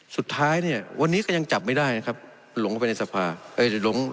สุดท้ายเนี่ยวันนี้ก็ยังจับไม่ได้นะครับ